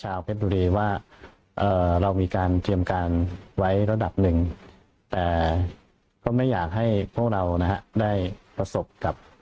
เพชรบุรีว่าเรามีการเตรียมการไว้ระดับหนึ่งแต่ก็ไม่อยากให้พวกเรานะฮะได้ประสบกับ